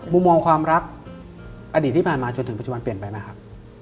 มุมมองความรักอดีตที่ผ่านมาจนถึงปัจจุบันเปลี่ยนไปไหมครับ